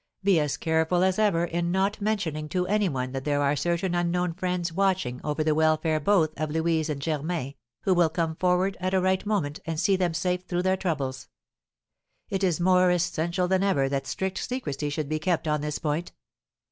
Be as careful as ever in not mentioning to any one that there are certain unknown friends watching over the welfare both of Louise and Germain, who will come forward at a right moment and see them safe through their troubles; it is more essential than ever that strict secrecy should be kept on this point.